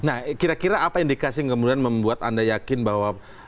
nah kira kira apa indikasi yang kemudian membuat anda yakin bahwa